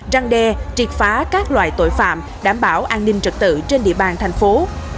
răng đe triệt phá các loại tội phạm đảm bảo an ninh trật tự trên địa bàn thành phố